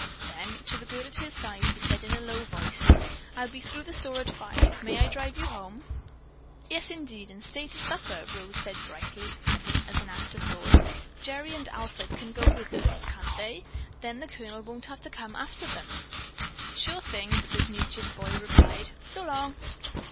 Then to the girl at his side he said in a low voice, "I'll be through at the store at five. May I drive you home?" "Yes, indeed, and stay to supper," Rose said brightly, adding as an afterthought: "Gerry and Alfred can go with us, can't they? Then the Colonel won't have to come after them." "Sure thing," the good natured boy replied. "So long!"